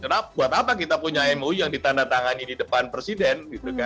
karena buat apa kita punya mou yang ditandatangani di depan presiden